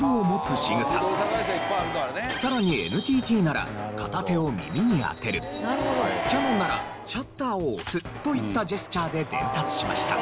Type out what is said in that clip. さらにＮＴＴなら片手を耳に当てるキヤノンならシャッターを押すといったジェスチャーで伝達しました。